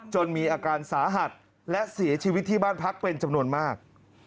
มีอาการสาหัสและเสียชีวิตที่บ้านพักเป็นจำนวนมาก